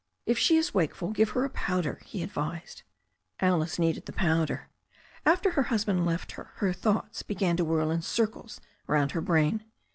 If she is wakeful give her a powder," he advised. Alice needed the powder. After her husband left her, her thoughts began to whirl in circles round her brain.